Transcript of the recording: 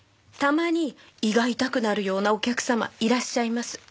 たまに胃が痛くなるようなお客様いらっしゃいます。